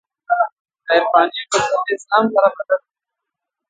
له عرفاني او فلسفي اسلام سره بلد نه دي.